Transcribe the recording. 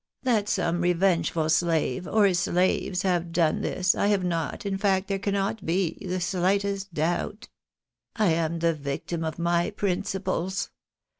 That some revengeful slave, or slaves, have done this, I have not, in fact there cannot be, the slightest doubt. I am the victim of my principles.